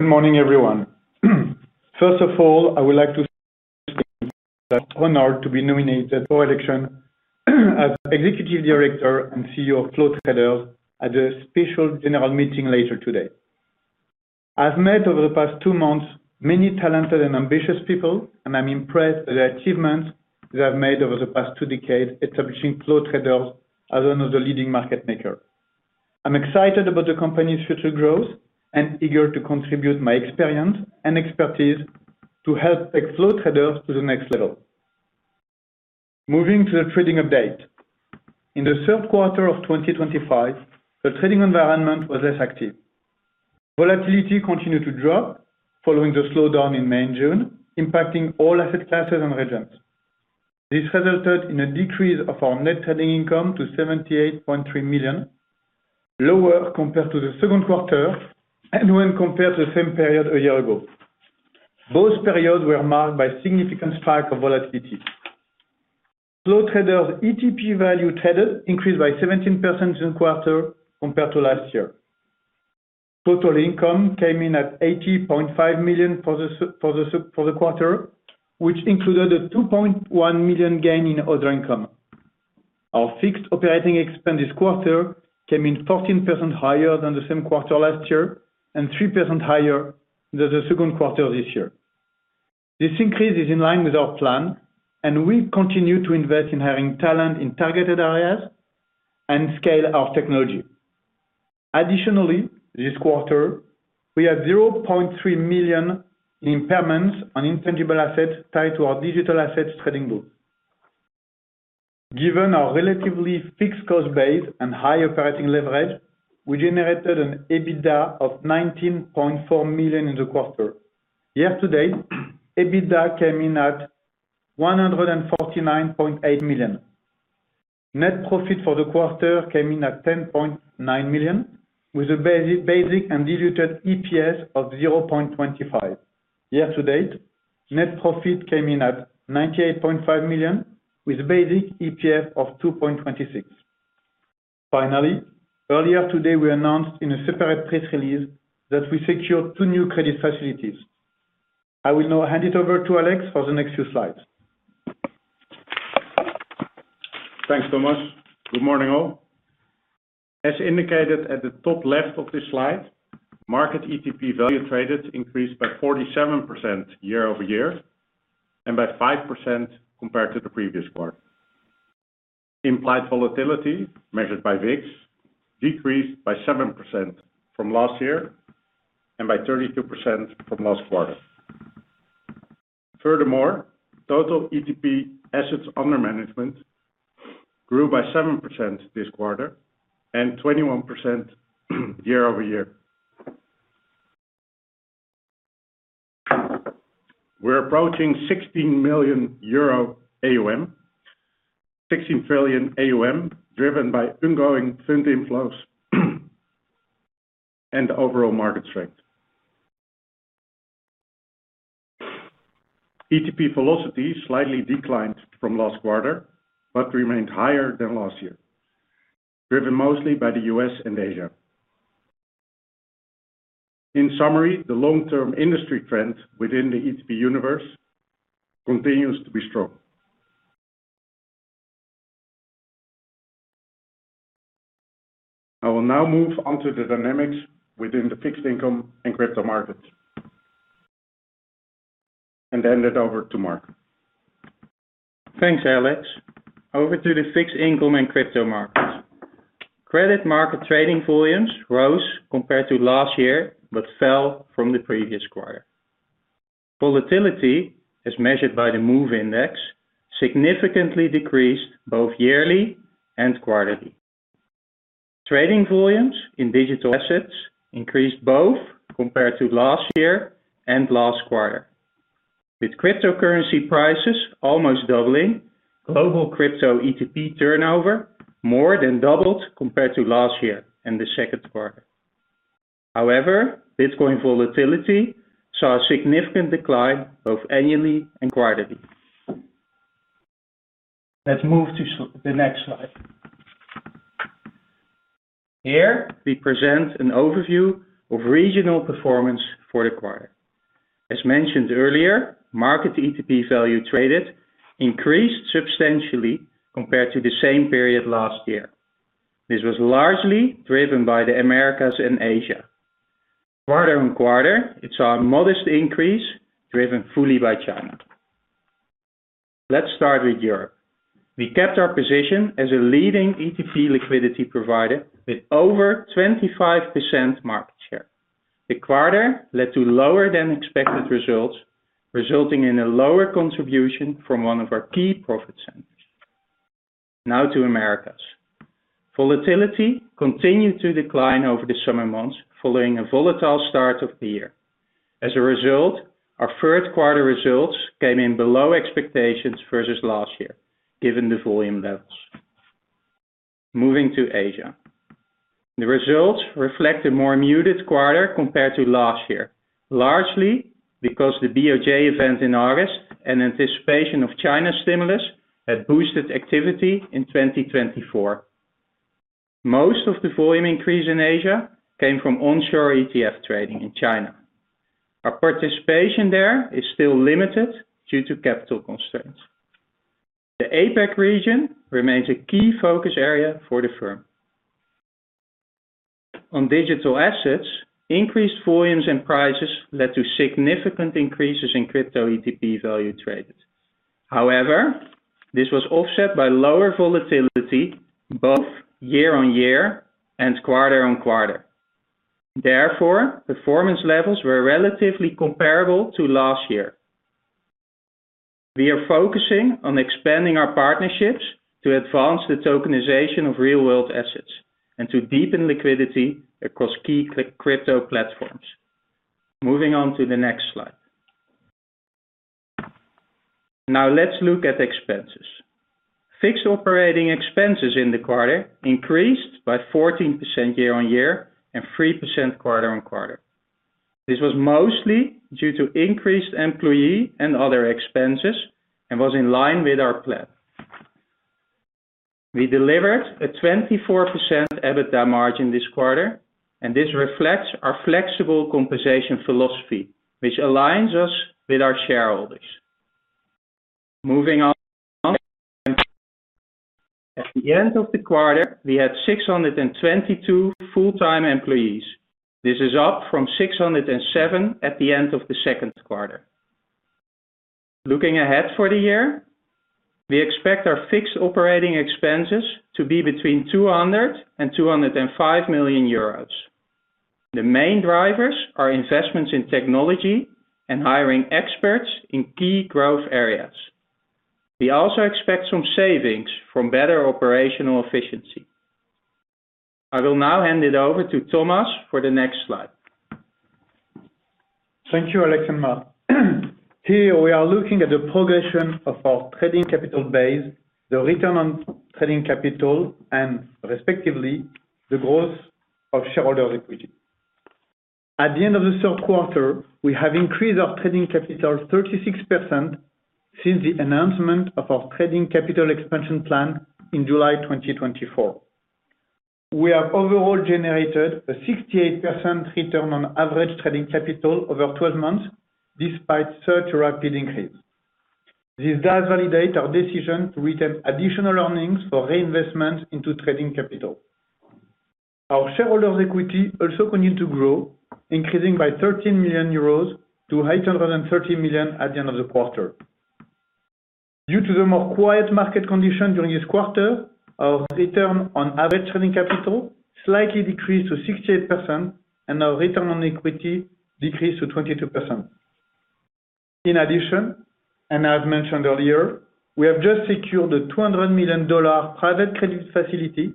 Good morning everyone. First of all, I would like to say it is an honor to be nominated for election as Executive Director and CEO of Flow Traders Ltd at a special general meeting later today. I've met over the past two months many talented and ambitious people and I'm impressed by the achievements they have made over the past two decades establishing Flow Traders Ltd as one of the leading market makers. I'm excited about the company's future growth and eager to contribute my experience and expertise to help take Flow Traders Ltd to the next level. Moving to the Trading Update, in the third quarter of 2025, the trading environment was less active. Volatility continued to drop following the slowdown in May and June, impacting all asset classes and regions. This resulted in a decrease of our net trading income to $78.3 million, lower compared to the second quarter and when compared to the same period a year ago. Both periods were marked by a significant spike of volatility. Flow Traders Ltd ETP value traded increased by 17% in the quarter compared to last year. Total income came in at $80.5 million for the quarter, which included a $2.1 million gain in other income. Our fixed operating expense this quarter came in 14% higher than the same quarter last year and 3% higher than the second quarter of this year. This increase is in line with our plan and we continue to invest in having talent in targeted areas and scale our technology. Additionally, this quarter we had $0.3 million in impairments on intangible assets tied to our digital assets trading book. Given our relatively fixed cost base and high operational leverage, we generated an EBITDA of $19.4 million in the quarter. Year to date, EBITDA came in at $149.8 million. Net profit for the quarter came in at $10.9 million with a basic and diluted EPS of $0.25. Year to date, net profit came in at $98.5 million with basic EPS of $2.26. Finally, earlier today we announced in a separate press release that we secured two new credit facilities. I will now hand it over to Alex for the next few slides. Thanks, Thomas. Good morning all. As indicated at the top left of this slide, market ETP value traded increased by 47% year-over-year and by 5% compared to the previous quarter. Implied volatility measured by VIX decreased by 7% from last year and by 32% from last quarter. Furthermore, total ETP assets under management grew by 7% this quarter and 21% year-over-year. We're approaching 16 trillion AUM, driven by ongoing fund inflows and overall market strength. ETP velocity slightly declined from last quarter but remained higher than last year, driven mostly by the U.S. and Asia. In summary, the long-term industry trend within the ETP universe continues to be strong. I will now move on to the dynamics within the fixed income and crypto markets and hand it over to Marc. Thanks Alex. Over to the fixed income and crypto markets. Credit market trading volumes rose compared to last year, but fell from the previous quarter. Volatility, as measured by the MOVE index, significantly decreased both yearly and quarterly. Trading volumes in digital assets increased both compared to last year and last quarter, with cryptocurrency prices almost doubling. Global crypto ETP turnover more than doubled compared to last year and the second quarter. However, bitcoin volatility saw a significant decline both annually and quarterly. Let's move to the next slide. Here we present an overview of regional performance for the quarter. As mentioned earlier, market ETP value traded increased substantially compared to the same period last year. This was largely driven by the Americas and Asia. Quarter-on-quarter, it saw a modest increase driven fully by China. Let's start with Europe. We kept our position as a leading ETP liquidity provider with over 25% market share. The quarter led to lower than expected results, resulting in a lower contribution from one of our key profit centers. Now to Americas. Volatility continued to decline over the summer months following a volatile start of the year. As a result, our third quarter results came in below expectations versus last year given the volume levels. Moving to Asia, the results reflect a more muted quarter compared to last year, largely because the BOJ event in August and anticipation of China stimulus had boosted activity in 2024. Most of the volume increase in Asia came from onshore ETF trading in China. Our participation there is still limited due to capital constraints. The APEC region remains a key focus area for the firm. On digital assets, increased volumes and prices led to significant increases in crypto ETP value traded. However, this was offset by lower volatility both year-on-year and quarter-on-quarter. Therefore, performance levels were relatively comparable to last year. We are focusing on expanding our partnerships to advance the tokenization of real world assets and to deepen liquidity across key crypto platforms. Moving on to the next slide, now let's look at expenses. Fixed operating expenses in the quarter increased by 14% year-on-year and 3% quarter-on-quarter. This was mostly due to increased employee and other expenses and was in line with our plan. We delivered a 24% EBITDA margin this quarter, and this reflects our flexible compensation philosophy which aligns us with our shareholders. Moving on, at the end of the quarter, we had 622 full time employees. This is up from 607 at the end of the second quarter. Looking ahead for the year, we expect our fixed operating expenses to be between 200 million euros and 205 million euros. The main drivers are investments in technology and hiring experts in key growth areas. We also expect some savings from better operational efficiency. I will now hand it over to Thomas for the next slide. Thank you, Alex and Marc. Here we are looking at the progression of our trading capital base, the return on trading capital, and respectively, the growth of shareholders' equity. At the end of the third quarter, we have increased our trading capital 36%. Since the announcement of our trading capital expansion plan in July 2024, we have overall generated a 68% return on average trading capital over 12 months. Despite such a rapid increase, this does validate our decision to retain additional earnings for reinvestment into trading capital. Our shareholders' equity also continued to grow, increasing by 13 million euros to 830 million at the end of the quarter. Due to the more quiet market condition during this quarter, our return on average trading capital slightly decreased to 68% and our return on equity decreased to 22%. In addition, and as mentioned earlier, we have just secured a $200 million private credit facility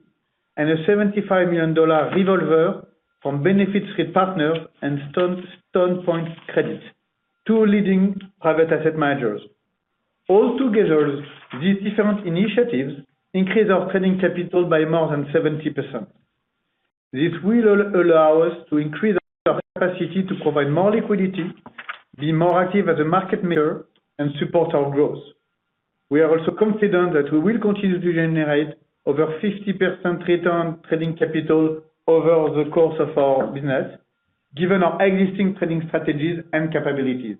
and a $75 million revolver from Benefit Street Partners and Stone Point Credit, two leading private asset managers. Altogether, these different initiatives increase our trading capital by more than 70%. This will allow us to increase our capacity to provide more liquidity, be more active as a market maker, and support our growth. We are also confident that we will continue to generate over 50% return on trading capital over the course of our business, given our existing trading strategies and capabilities.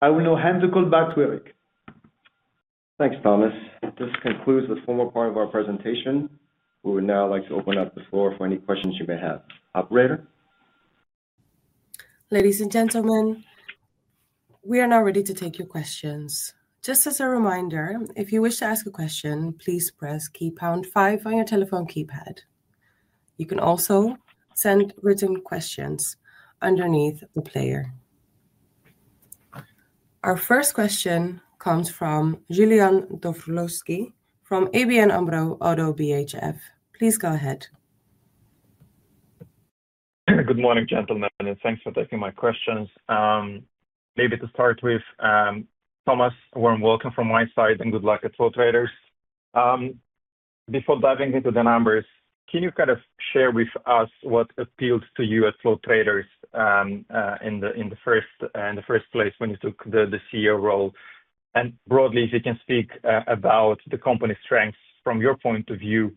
I will now hand the call back to Eric. Thanks, Thomas. This concludes the formal part of our presentation. We would now like to open up. The floor for any questions you may have. Operator. Ladies and gentlemen, we are now ready to take your questions. Just as a reminder, if you wish to ask a question, please press pound five on your telephone keypad. You can also send written questions underneath the player. Our first question comes from Julian Dobrovolshi from ABN AMRO ODDO BHF. Please go ahead. Good morning gentlemen, and thanks for taking my questions. Maybe to start with Thomas, warm welcome from my side and good luck at Flow Traders. Before diving into the numbers, can you kind of share with us what appealed to you at Flow Traders. In the. First place when you took the CEO role? If you can speak about the company's strengths from your point of view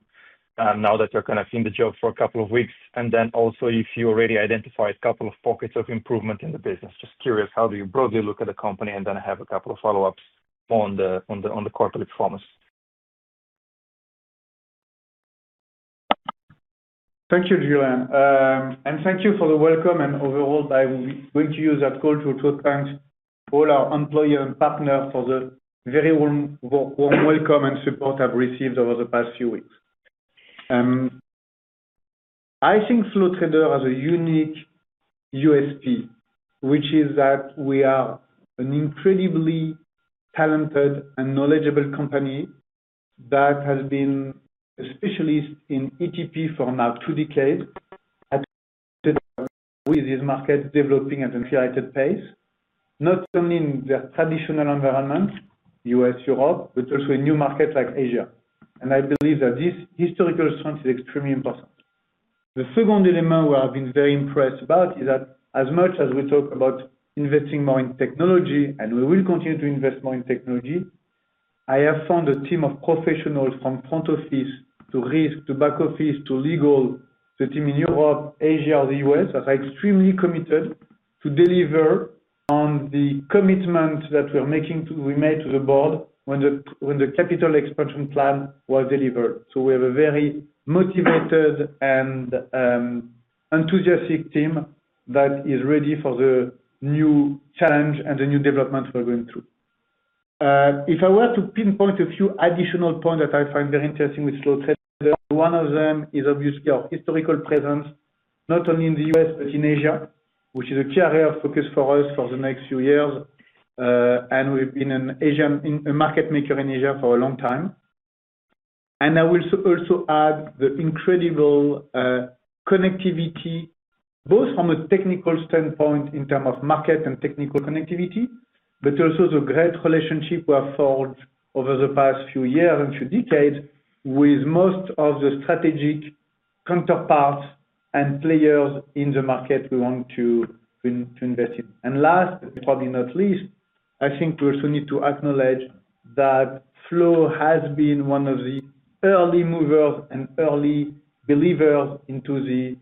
now that you're kind of in. The job for a couple of weeks. If you already identified a couple of pockets of improvement in the business, just curious, how do you broadly look at the company and then have a couple of follow ups on the corporate performance? Thank you Julian and thank you for the welcome. Overall, I will be going to use that call to thank all our employees and partners for the very warm welcome and support I've received. Over the past few weeks. I think Flow Traders has a unique USP, which is that we are an incredibly talented and knowledgeable company that has been a specialist in ETP for now two decades, with these markets developing at an exciting pace not only in the traditional environment, U.S., Europe, but also in new markets like Asia. I believe that this historical strength is extremely important. The second dilemma we have been very impressed about is that as much as we talk about investing more in technology, and we will continue to invest more in technology, I have found a team of professionals from front office to Risk to back office to Legal, the team in Europe, Asia, or the U.S., that are extremely committed to deliver on the commitment that we made to the Board when the capital expansion plan was. We have a very motivated and enthusiastic team that is ready for the new challenge and the new development we're going through. If I were to pinpoint a few additional points that I find very interesting with Flow Traders, one of them is obviously our historical presence not only in the U.S. but in Asia, which is a key area of focus for us for the next few years. We've been a market maker in Asia for a long time. I will also add the incredible connectivity both from a technical standpoint in terms of market and technical connectivity, but also the great relationship we have formed over the past few years and few decades with most of the strategic counterparts and players in the market we want to invest in. Last, probably not least, I think we also need to acknowledge that Flow Traders has been one of the early movers and early believers into the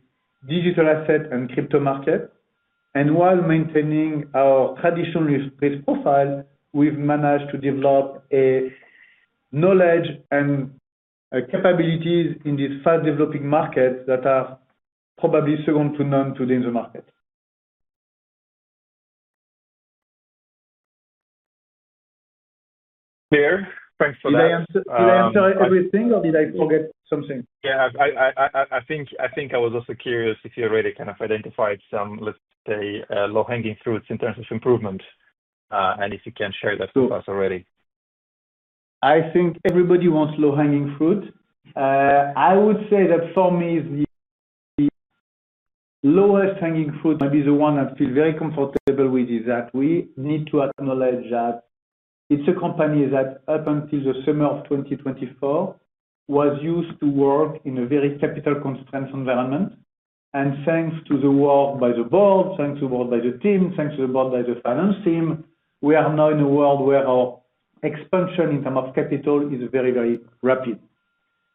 digital assets and crypto market. While maintaining our traditional risk profile, we've managed to develop a knowledge and capabilities in these fast developing markets that are probably second to none today in the market there. Thanks for that. Did I answer everything or did I forget something? Yeah, I think I was also curious if you already kind of identified some, let's say, low hanging fruits in terms of improvement and if you can share. That with us already, I think everybody wants low hanging fruit. I would say that for me, the lowest hanging fruit, maybe the one I feel very comfortable with, is that we need to acknowledge that it's a company that up until the summer of 2024 was used to work in a very capital constraints environment. Thanks to the work by the Board, thanks to the work by the team, thanks to the Board, by the finance team, we are now in a world where our expansion in terms of capital is very, very.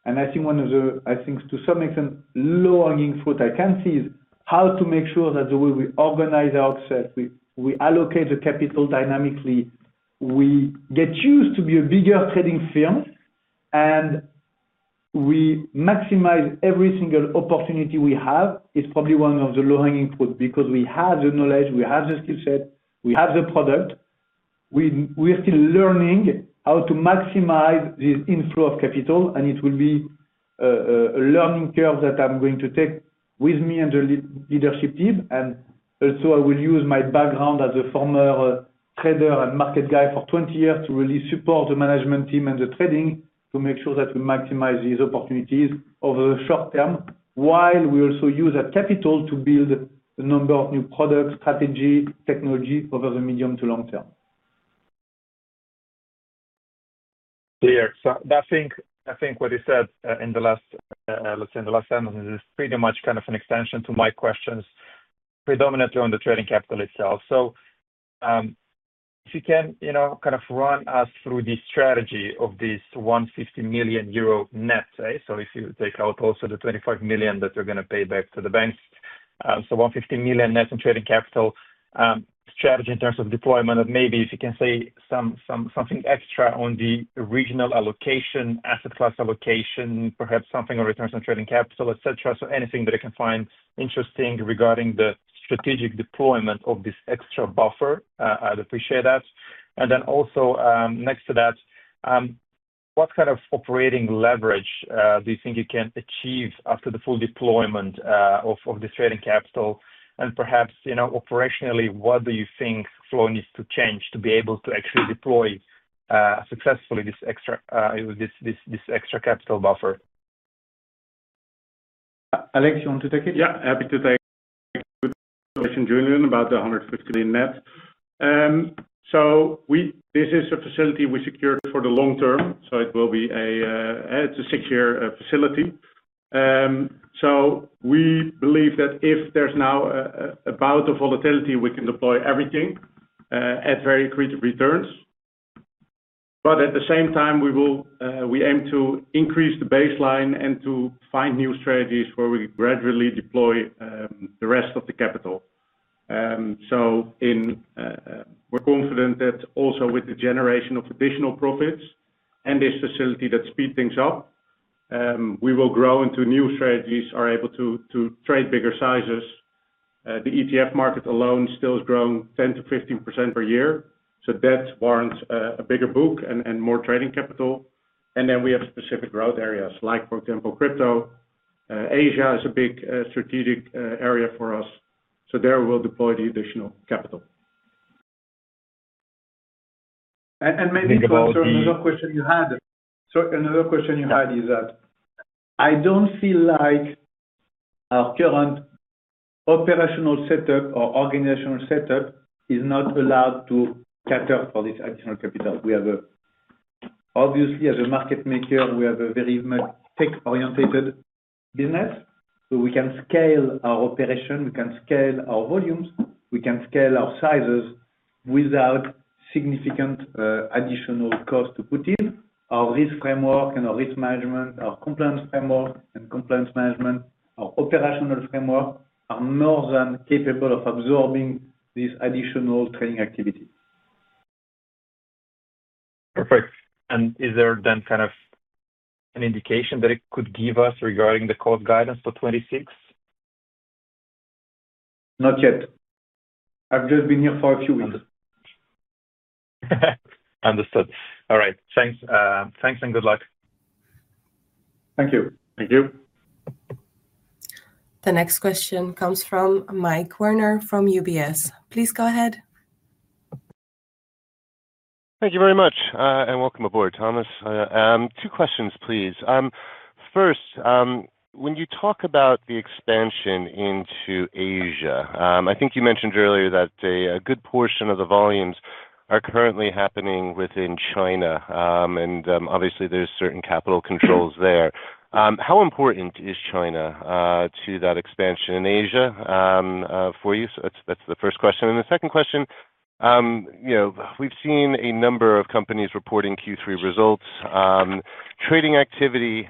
I think one of the, to some extent, low hanging fruit I can see is how to make sure that the way we organize ourselves, we allocate the capital dynamically, we get used to be a bigger trading firm, and we maximize every single opportunity we have. It's probably one of the low hanging fruits because we have the knowledge, we have the skill set, we have the product, we are still learning how to maximize the inflow of capital. It will be a learning curve that I'm going to take with me and the leadership team. I will also use my background as a former trader and market guy for 20 years to really support the management team and the trading to make sure that we maximize these opportunities over the short term while we also use our capital to build the number of new products, strategy, technology over the medium to long term. Clear? I think what you said in the last sentence is pretty much kind of an extension to my questions predominantly on the trading capital itself. If you can, you know, kind of run us through the strategy of this 150 million euro net, so if you take out also the 25 million that you're going to pay back to the bank, so 150 million net in trading capital strategy in terms of deployment and maybe if you can say something extra on the regional allocation, asset class allocation, perhaps something on returns on trading capital, etc. Anything that I can find interesting regarding the strategic deployment of this extra buffer, I'd appreciate that. Next to that, what kind of operating leverage do you think you can achieve after the full deployment of this trading capital? Perhaps operationally, what do you think Flow Traders needs to change to be able to actually deploy successfully this extra capital buffer? Alex, you want to take it? Yeah, happy to take Julian. About $150 million net. This is a facility we secured for the long term. It will be a six-year facility. We believe that if there's now about the volatility, we can deploy everything at very accretive returns. At the same time, we aim to increase the baseline and to find new strategies where we gradually deploy the rest of the capital. We're confident that also with the generation of additional profits and this facility that speed things up, we will grow into new strategies and are able to trade bigger sizes. The ETF market alone still has grown 10%-15% per year. That warrants a bigger book and more trading capital. We have specific growth areas like, for example, crypto. Asia is a big strategic area for us, so there we'll deploy the additional capital. Maybe to answer another question you had, I don't feel like our current operational setup or organizational setup is not allowed to cater for this additional capital. We have obviously, as a market maker, a very much tech orientated business. We can scale our operation, we can scale our volumes, we can scale our sizes without significant additional cost. Our risk framework and our risk management, our compliance framework and compliance management, our operational framework are more than capable of absorbing these additional trading activities. Perfect. Is there then kind of an indication that it could give us regarding the core guidance for 2026? Not yet. I've just been here for a few weeks. Understood. All right, thanks and good luck. Thank you. Thank you. The next question comes from Mike Werner from UBS. Please go ahead. Thank you very much and welcome aboard. Thomas, two questions please. First, when you talk about the expansion into Asia, I think you mentioned earlier that a good portion of the volumes are currently happening within China, and obviously there's certain capital controls there. How important is China to that expansion in Asia for you? That's the first question. The second question, we've seen a number of companies reporting Q3 results. Trading activity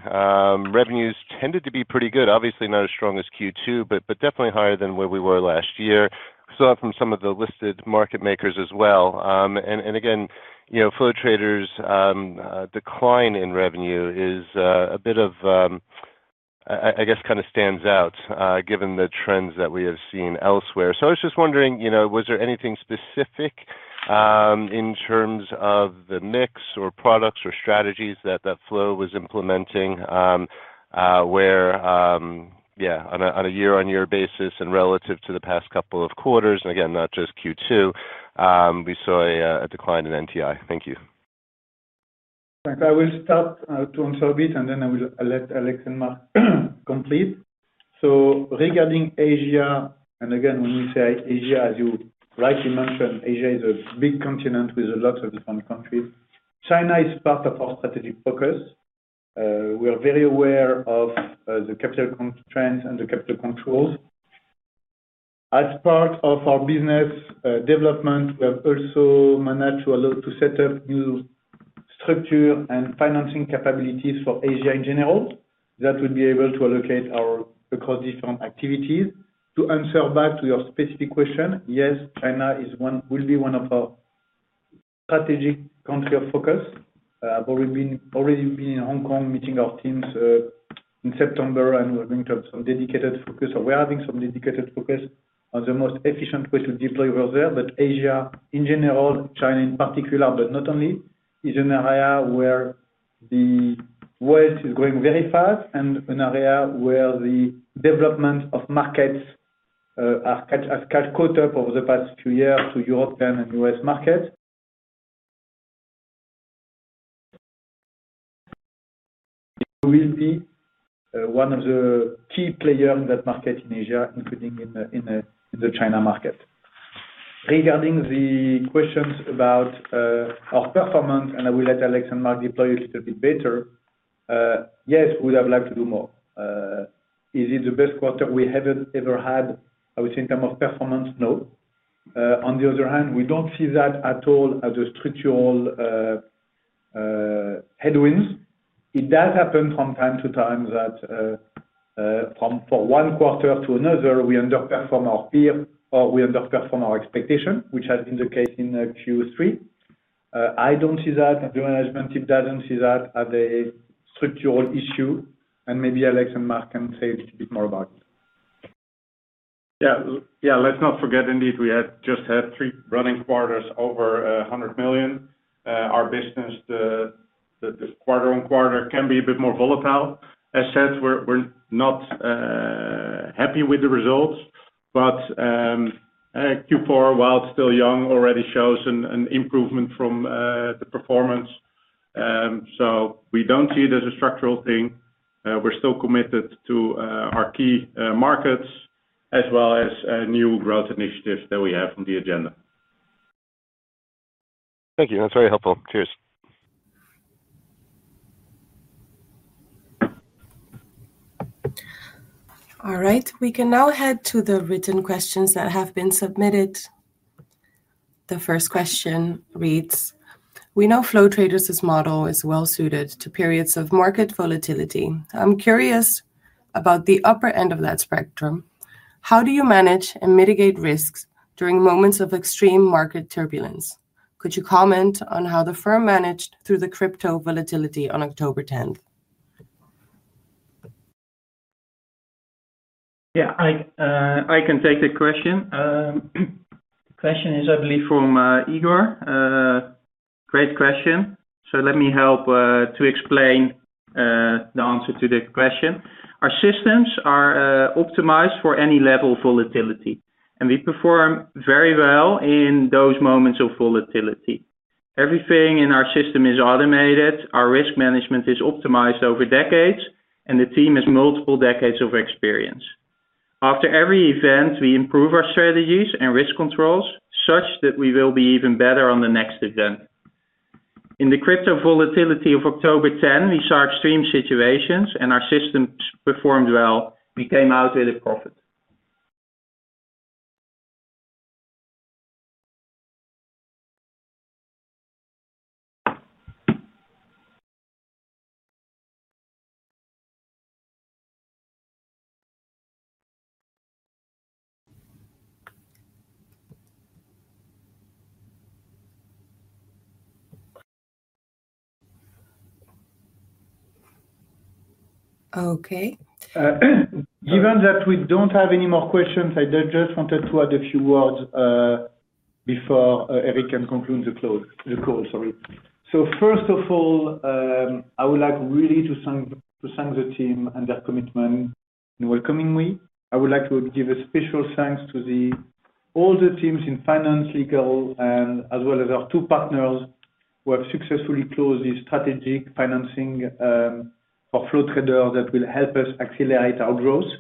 revenues tended to be pretty good, obviously not as strong as Q2, but definitely higher than where we were last year. Saw it from some of the listed market makers as well. Again, Flow Traders, decline in revenue is a bit of, I guess kind of stands out given the trends that we have seen elsewhere. I was just wondering, was there anything specific in terms of the mix or products or strategies that Flow was implementing where on a year-on-year basis and relative to the past couple of quarters, not just Q2, we saw a decline in NTI. Thank you. I will start to answer a bit and then I will let Alex and Marc complete. Regarding Asia, and again, when we say Asia, as you rightly mentioned, Asia is a big continent with lots of different countries. China is part of our strategic focus. We are very aware of the capital constraints and the capital controls as part of our business development. We have also managed to allow to set up new structure and financing capabilities for Asia in general that will be able to allocate across different activities. To answer back to your specific question, yes, China will be one of our strategic country of focus. I've already been in Hong Kong meeting our teams in September and we're going to have some dedicated focus or we're having some dedicated focus on the most efficient way to deploy over there. Asia in general, China in particular but not only, is an area where the wealth is going very fast and an area where the development of markets has caught up over the past few years to European and U.S. market. We will be one of the key players in that market in Asia, including in the China market. Regarding the questions about our performance, I will let Alex and Marc deploy. A little bit better. Yes, we would have liked to do more. Is it the best quarter we have ever had? I would say in terms of performance, no. On the other hand, we don't see that at all as structural headwinds. It does happen from time to time that from one quarter to another we underperform our peer or we underperform our expectation, which has been the case in Q3. I don't see that, the management team doesn't see that, and maybe Alex and Marc can say a little bit more about it. Yeah, yeah. Let's not forget indeed we had just had three running quarters over $100 million. Our business, the quarter-on-quarter, can be a bit more volatile. As said, we're not happy with the results. Q4, while it's still young, already shows an improvement from the performance. We don't see it as a structural thing. We're still committed to our key markets as well as new growth initiatives that. We have on the agenda. Thank you, that's very helpful. Cheers. All right, we can now head to the written questions that have been submitted. The first question reads: We know Flow Traders' model is well suited to periods of market volatility. I'm curious about the upper end of that spectrum. How do you manage and mitigate risks during moments of extreme market turbulence? Could you comment on how the firm managed through the crypto volatility on October 10th? Yeah, I can take the question. The question is, I believe from Igor. Great question. Let me help to explain the answer to the question. Our systems are optimized for any level of volatility, and we perform very well in those moments of volatility. Everything in our system is automated. Our risk management is optimized over decades, and the team has multiple decades of experience. After every event, we improve our strategies and risk controls such that we will be even better on the next event. In the crypto volatility of October 10, we saw extreme situations, and our systems performed well. We came out with a profit. Okay. Given that we don't have any more questions, I just wanted to add a few words before Eric can conclude and close the call. Sorry. First of all, I would really like to thank the team and their commitment in welcoming me. I would like to give a special thanks to all the teams in Finance, Legal, as well as our two partners who have successfully closed the strategic financing for Flow Traders Ltd that will help us accelerate our growth.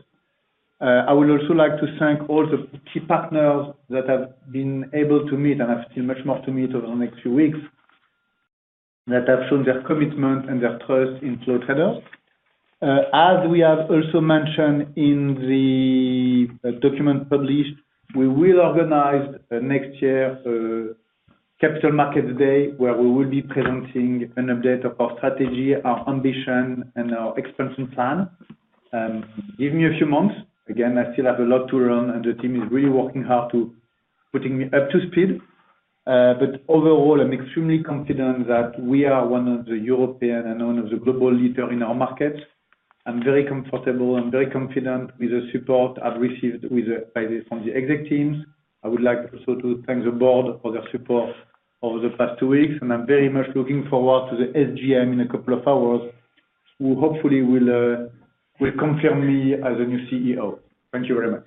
I would also like to thank all the key partners that I have been able to meet and have much more to meet over the next few weeks that have shown their commitment and their trust in Flow Traders Ltd. As we have also mentioned in the document published, we will organize next year Capital Markets Day where we will be presenting an update of our strategy, our ambition, and our expansion plan. Give me a few months again, I still have a lot to learn and the team is really working hard to put me up to speed. Overall, I'm extremely confident that we are one of the European and one of the global leaders in our market. I'm very comfortable, I'm very confident with the support I've received from the exec teams. I would also like to thank the Board for their support over the past two weeks and I'm very much looking forward to the SGM in a couple of hours who hopefully will confirm me as the new CEO. Thank you very much.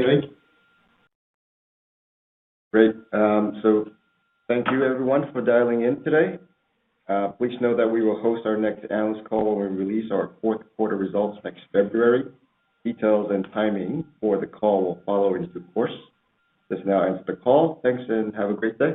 Great. Thank you everyone for dialing in today. Please note that we will host our next analyst call when we release our fourth quarter results next February. Details and timing for the call will follow in due course. This now ends the call. Thanks and have a great day.